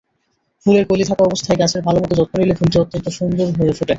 ফুলের কলি থাকা অবস্থায় গাছের ভালোমতো যত্ন নিলে ফুলটি অত্যন্ত সুন্দর হয়ে ফোটে।